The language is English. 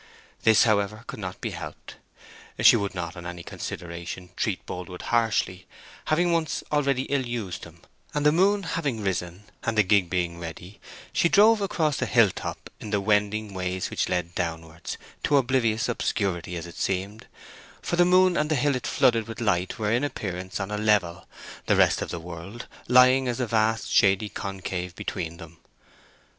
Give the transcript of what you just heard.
This, however, could not be helped; she would not, on any consideration, treat Boldwood harshly, having once already ill used him, and the moon having risen, and the gig being ready, she drove across the hilltop in the wending way's which led downwards—to oblivious obscurity, as it seemed, for the moon and the hill it flooded with light were in appearance on a level, the rest of the world lying as a vast shady concave between them.